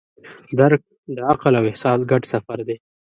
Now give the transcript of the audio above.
درک د عقل او احساس ګډ سفر دی.